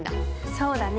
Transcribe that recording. そうだね。